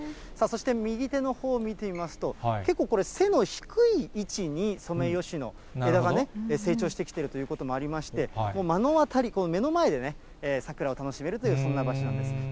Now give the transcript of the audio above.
そして右手のほうを見てみますと、結構これ、背の低い位置にソメイヨシノ、枝がね、生長してきているということもありまして、目の当たり、目の前で桜を楽しめるという、そんな場所なんです。